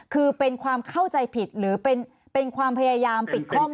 คือเป็นความเข้าใจผิดหรือเป็นความพยายามปิดข้อมูล